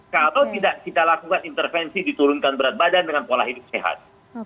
kalau tidak kita lakukan intervensi diturunkan berat badan dengan pola hidup sehat